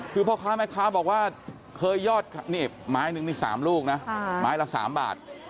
คือพ่อค้าแม่ค้าบอกว่าเคยยอดนี่ไม้นึงนี่๓ลูกนะไม้ละ๓บาท